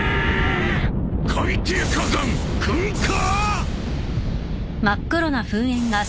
海底火山噴火！？